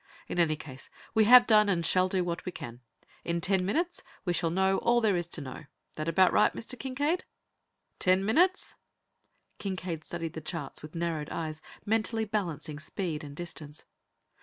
In any case, we have done and shall do what we can. In ten minutes we shall know all there is to know. That about right, Mr. Kincaide?" "Ten minutes?" Kincaide studied the charts with narrowed eyes, mentally balancing distance and speed.